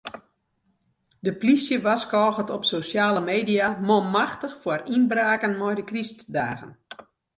De polysje warskôget op sosjale media manmachtich foar ynbraken mei de krystdagen.